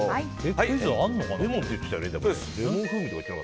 クイズあるのかな？